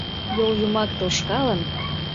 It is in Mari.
йолйымак тошкалын